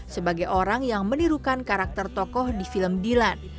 sebagai orang yang menirukan karakter tokoh di film dilan